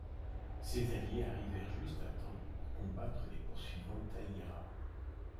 Ces alliés arrivèrent juste à temps pour combattre les poursuivants Taira.